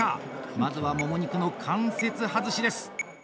まずは、モモ肉の関節外しです。